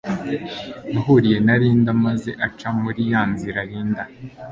yahuriye na Linda maze aca muri yanzira Linda